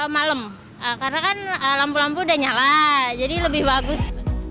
malam karena kan lampu lampu udah nyala jadi lebih bagus